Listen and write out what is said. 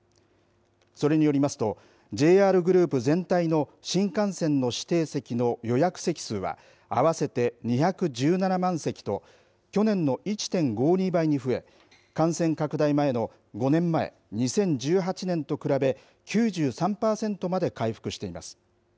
それによりますとＪＲグループ全体の新幹線の指定席の予約席数は合わせて２１７万席と去年の１．５２倍に増え感染拡大前の５年前２０１８年と比べ９３パーセントまで回復しています。